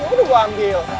aduh gua ambil